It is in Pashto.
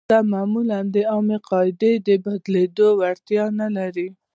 دا معمولاً په عامې قاعدې د بدلېدو وړتیا نلري.